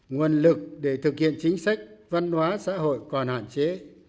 nguồn lực để thực hiện chính sách văn hóa xã hội còn hạn chế